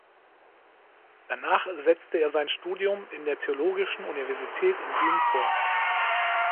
Danach setzte er sein Studium in der theologischen Universität in Wien fort.